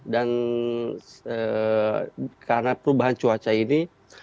dan karena perubahan cuaca ini